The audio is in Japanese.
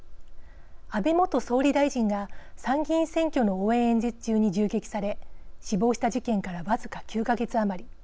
安倍元総理大臣が参議院選挙の応援演説中に銃撃され死亡した事件から僅か９か月余り。